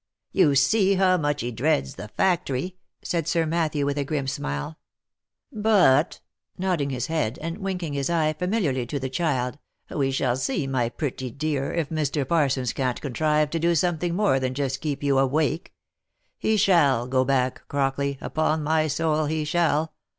" You see how much he dreads the factory," said Sir Matthew, with a grim smile. "But," nodding his head, and winking his eye familiarly to the child, " we shall see, my pretty dear, if Mr. Parsons can't contrive to do something more than just keep you awake. He shall go back, Crockley, upon my soul he shall.